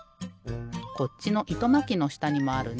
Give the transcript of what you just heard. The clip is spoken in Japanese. こっちのいとまきのしたにもあるね。